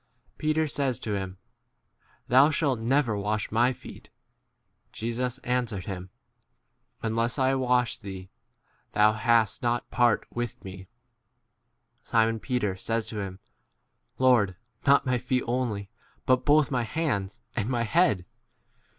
Peter says to him, Thou shalt never wash my feet. Jesus answered him, Unless I wash thee, thou hast not part 9 with me. Simon Peter says to him, Lord, not my feet only, but both my hands and my head.